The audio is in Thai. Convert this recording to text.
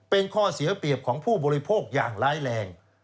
เป็นข้อเสียเปรียบของผู้บริโภคอย่างร้ายแรง